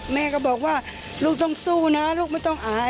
แม่ก็บอกว่าลูกต้องสู้นะลูกไม่ต้องอาย